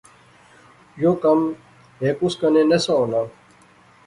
یو کم ہیک اس کنے نہسا ہونا